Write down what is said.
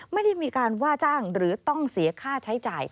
ไม่ได้มีการว่าจ้างหรือต้องเสียค่าใช้จ่าย